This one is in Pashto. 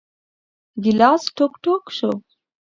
ګیلاس ټوک ، ټوک شو .